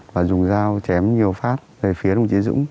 và dùng dao chém nhiều phát về phía đồng chí dũng